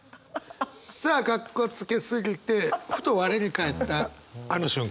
さあカッコつけ過ぎてふと我に返ったあの瞬間。